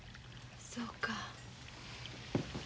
そうか。